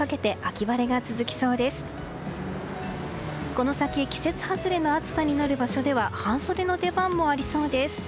この先季節外れの暑さになる場所では半袖の出番もありそうです。